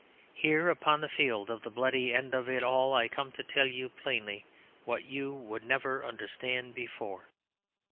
Here, upon the field of the bloody end of it all, I come to tell you plainly what you would never understand before.